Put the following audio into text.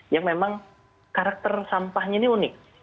yang memang karakter sampahnya ini unik